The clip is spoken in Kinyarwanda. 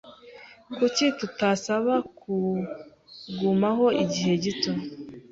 Kuki tutasaba kugumaho igihe gito?